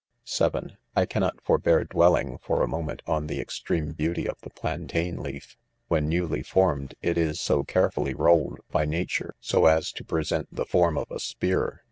(7) I cannot forbear dwelling 1 , for a moment, on the extreme beauty of the plain tain lekL When newly form ed, it is so carefully rolledj by nature, so as to present the form of a spear.